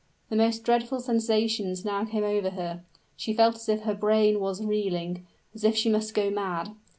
The most dreadful sensations now came over her: she felt as if her brain was reeling as if she must go mad.